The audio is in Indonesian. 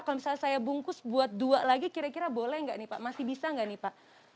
kalau misalnya saya bungkus buat dua lagi kira kira boleh nggak nih pak masih bisa nggak nih pak